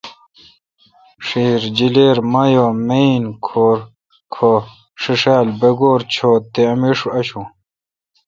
ڄھیر، جلیر، مایع، میین، کھو ݭیݭال، بگورڄھوت تے امیݭ اشون۔